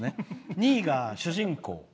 ２位が「主人公」。